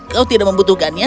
kau tidak membutuhkannya